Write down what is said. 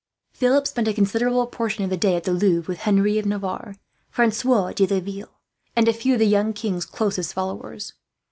Philip spent a considerable portion of the day at the Louvre with Henry of Navarre, Francois de Laville, and a few of the young king's closest followers.